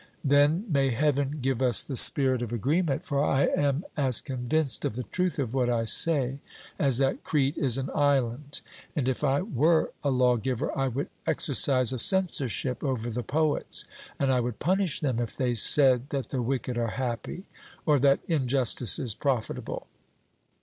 Then may heaven give us the spirit of agreement, for I am as convinced of the truth of what I say as that Crete is an island; and, if I were a lawgiver, I would exercise a censorship over the poets, and I would punish them if they said that the wicked are happy, or that injustice is profitable.